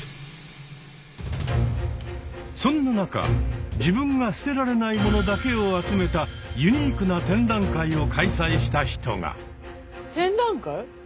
そんな中自分が捨てられない物だけを集めたユニークな展覧会を開催した人が！